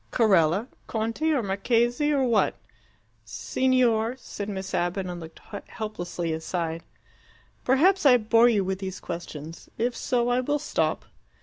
"Carella? Conte or Marchese, or what?" "Signor," said Miss Abbott, and looked helplessly aside. "Perhaps I bore you with these questions. If so, I will stop."